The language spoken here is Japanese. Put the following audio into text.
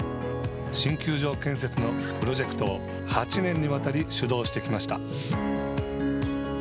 新球場建設のプロジェクトを８年にわたり主導してきました。